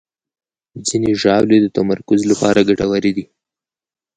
ځینې ژاولې د تمرکز لپاره ګټورې دي.